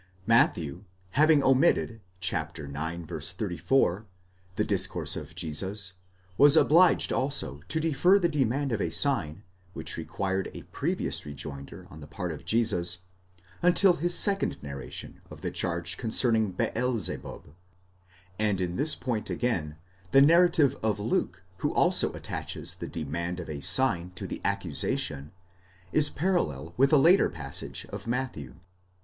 Matthew, having omitted (ix. 34) the discourse of Jesus, was obliged also to defer the demand of a sign, which required a previous rejoinder on the part of Jesus, until his second narration of the charge concerning Beelzebub ; and in this point again the narrative of Luke, who also attaches the demand of a sign to the accusation, is parallel with the later passage of Matthew.